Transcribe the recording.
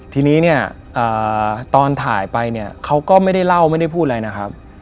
ทีนี้เนี่ยตอนถ่ายไปเนี่ยเขาก็ไม่ได้เล่าไม่ได้พูดอะไรนะครับ